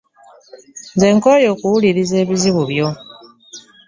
Nze nkooye okuwuliriza ebizibu byo.